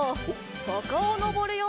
さかをのぼるよ。